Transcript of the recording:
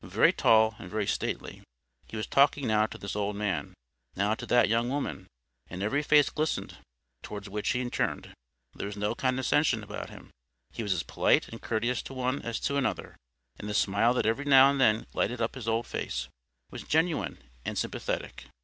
Very tall and very stately, he was talking now to this old man, now to that young woman, and every face glistened towards which he turned. There was no condescension about him. He was as polite and courteous to one as to another, and the smile that every now and then lighted up his old face, was genuine and sympathetic.